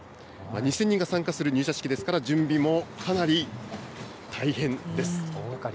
２０００人が参加する入社式ですから、準備もかなり大変です。